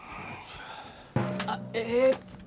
あええっと。